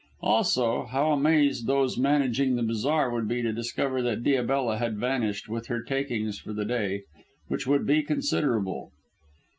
Also, how amazed those managing the bazaar would be to discover that Diabella had vanished with her takings for the day, which would be considerable.